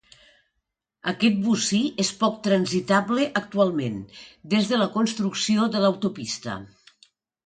Aquest bocí és poc transitable actualment, des de la construcció de l'autopista.